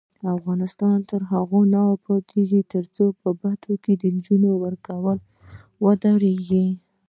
افغانستان تر هغو نه ابادیږي، ترڅو په بدو کې د نجونو ورکول ودریږي.